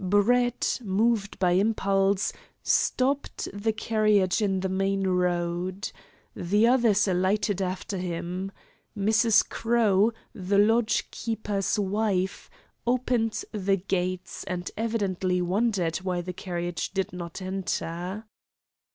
Brett, moved by impulse, stopped the carriage in the main road. The others alighted after him. Mrs. Crowe, the lodge keeper's wife, opened the gates, and evidently wondered why the carriage did not enter.